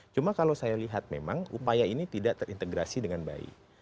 cuma kalau saya lihat memang upaya ini tidak terintegrasi dengan baik